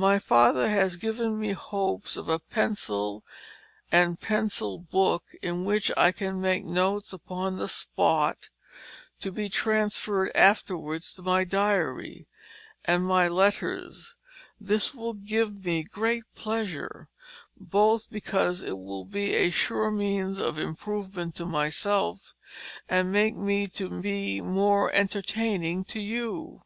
My father has given me hopes of a Pencil & Pencil Book in which I can make notes upon the spot to be transferred afterwards to my Diary, and my letters, this will give me great pleasure, both because it will be a sure means of improvement to myself & make me to be more entertaining to you.